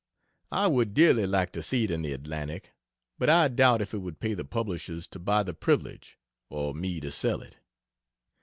I would dearly like to see it in the Atlantic, but I doubt if it would pay the publishers to buy the privilege, or me to sell it.